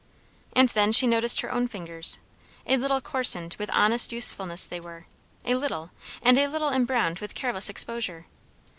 And then she noticed her own fingers; a little coarsened with honest usefulness they were a little; and a little embrowned with careless exposure.